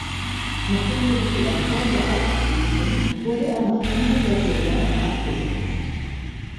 Nachdem jedoch die Erfolge ausblieben, wurde er nach Ende der Saison abgesetzt.